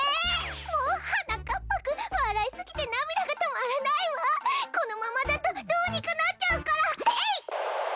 もうはなかっぱくんわらいすぎてなみだがとまらないわこのままだとどうにかなっちゃうからえいっ！